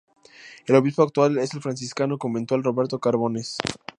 El obispo actual es el franciscano conventual Roberto Carbones.